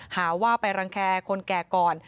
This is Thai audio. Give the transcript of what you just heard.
หาว่าไปรังแคร์คนแก่ก่อน